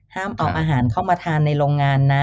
เอาอาหารเข้ามาทานในโรงงานนะ